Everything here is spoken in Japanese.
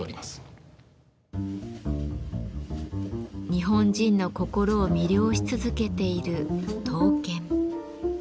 日本人の心を魅了し続けている刀剣。